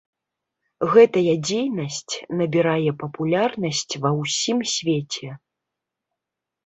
Гэтая дзейнасць набірае папулярнасць ва ўсім свеце.